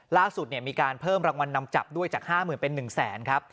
ล่าสุดมีการเพิ่มรางวัลนำจับด้วยจาก๕๐๐๐เป็น๑แสนครับ